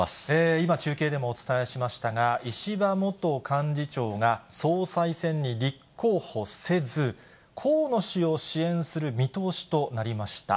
今、中継でもお伝えしましたが、石破元幹事長が総裁選に立候補せず、河野氏を支援する見通しとなりました。